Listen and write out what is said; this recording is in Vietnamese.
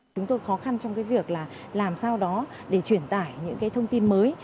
chúng tôi khó khăn trong việc làm sao đó để truyền tải những thông tin mới